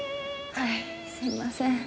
はいすいません。